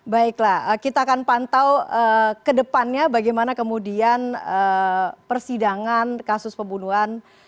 baiklah kita akan pantau ke depannya bagaimana kemudian persidangan kasus pembunuhan